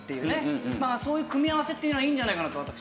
そういう組み合わせっていうのはいいんじゃないかなと私。